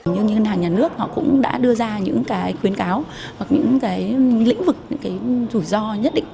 những ngân hàng nhà nước cũng đã đưa ra những khuyến cáo và những lĩnh vực rủi ro nhất định